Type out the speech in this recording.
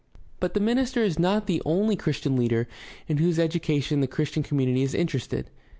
— But the minister is not the only Christian leader in whose education the Christian community is interested.